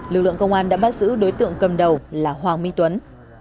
lực lượng công an đã bắt giữ đối tượng cầm đầu là hoàng minh tuấn